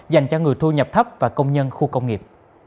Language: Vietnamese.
dành cho người thu nhập thấp và công nhân khu công nghiệp